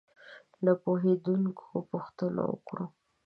له پوهېدونکو پوښتنې وکړو.